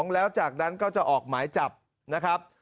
แล้วจากนั้นก็จะออกหมายจับนะครับ